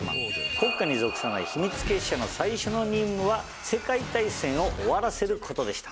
国家に属さない秘密結社の最初の任務は世界大戦を終わらせることでした。